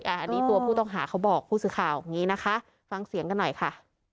อันนี้ตัวผู้ต้องหาเขาบอกผู้สื่อข่าวอย่างนี้นะคะฟังเสียงกันหน่อยค่ะ